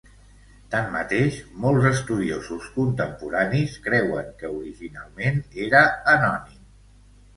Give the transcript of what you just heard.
Tanmateix, molts estudiosos contemporanis creuen que originalment era anònim.